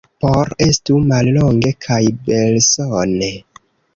Por estu mallonge kaj belsone.